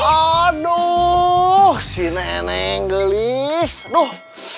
aduh si nenek gelis tuh